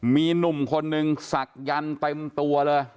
มีหนุ่มคนนึงศักยันต์เต็มตัวเลย